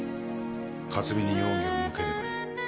克巳に容疑を向ければいい。